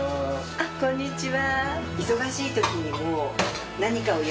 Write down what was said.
あっこんにちは。